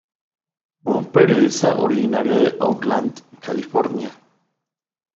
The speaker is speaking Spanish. Fue un periodista originario de Oakland, California.